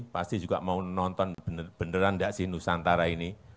pasti juga mau nonton beneran gak sih nusantara ini